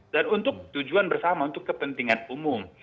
untuk tujuan bersama untuk kepentingan umum